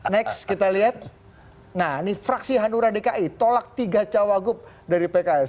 next kita lihat nah ini fraksi hanura dki tolak tiga cawagup dari pks